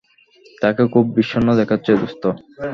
তাকে খুব ভীষন্ন দেখাচ্ছে, দোস্ত।